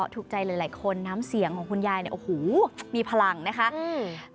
ถูกใจหลายหลายคนน้ำเสียงของคุณยายเนี่ยโอ้โหมีพลังนะคะอืม